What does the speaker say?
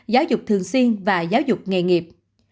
giáo dục thường xuyên và giáo dục nghề nghiệp